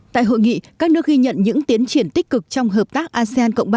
tại hội nghị các nước ghi nhận những tiến triển tích cực trong hợp tác asean cộng ba